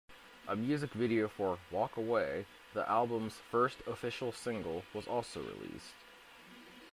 A music video for "Walk Away", the album's first official single, was also released.